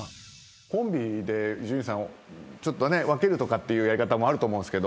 コンビで伊集院さんちょっとね分けるとかっていうやり方もあると思うんですけど。